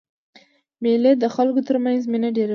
مېلې د خلکو تر منځ مینه ډېروي.